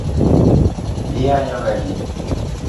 Iyanyoga ji